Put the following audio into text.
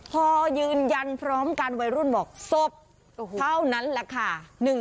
พอยืนยันพร้อมกันวัยรุ่นบอกศพเท่านั้นแหละค่ะ